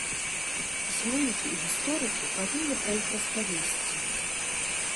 Пісьменнікі і гісторыкі павінны пра іх распавесці.